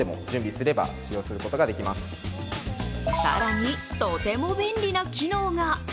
更に、とても便利な機能が。